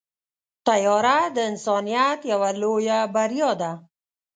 طیاره د انسانیت یوه لویه بریا ده.